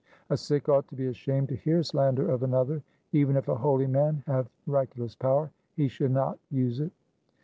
3 A Sikh ought to be ashamed to hear slander of another. Even if a holy man have miraculous power, he should not use it.